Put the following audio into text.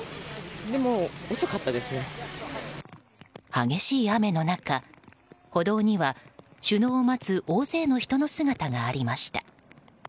激しい雨の中、歩道には首脳を待つ大勢の人の姿がありました。